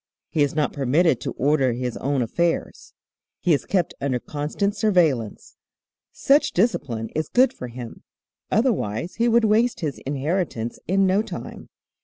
He is not permitted to order his own affairs. He is kept under constant surveillance. Such discipline is good for him, otherwise he would waste his inheritance in no time.